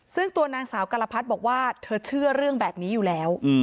ซึ่งตัวนางสาวกรพัฒน์บอกว่าเธอเชื่อเรื่องแบบนี้อยู่แล้ว